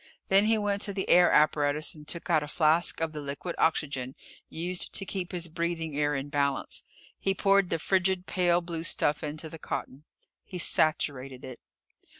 Then he went to the air apparatus and took out a flask of the liquid oxygen used to keep his breathing air in balance. He poured the frigid, pale blue stuff into the cotton. He saturated it.